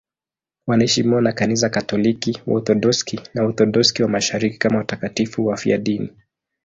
Wanaheshimiwa na Kanisa Katoliki, Waorthodoksi na Waorthodoksi wa Mashariki kama watakatifu wafiadini.